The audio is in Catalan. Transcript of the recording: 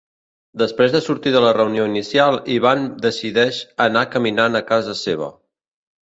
Després de sortir de la reunió inicial, Ivan decideix anar caminant a casa seva.